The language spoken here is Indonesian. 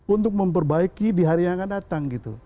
untuk memperbaiki di hari yang akan datang gitu